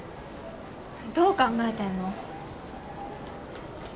どう考えてんの？